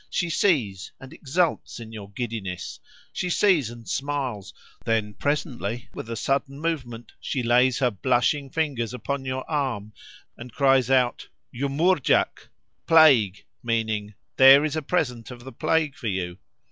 She sees, and exults in your giddiness; she sees and smiles; then presently, with a sudden movement, she lays her blushing fingers upon your arm, and cries out, "Yumourdjak!" (Plague! meaning, "there is a present of the plague for you!")